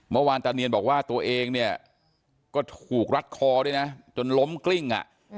เมื่อวานตันเนียนบอกว่าตัวเองเนี่ยก็ถูกรัดคอด้วยนะจนล้มกลิ้งอ่ะ